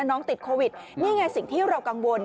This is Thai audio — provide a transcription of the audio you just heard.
น้องติดโควิดนี่ไงสิ่งที่เรากังวล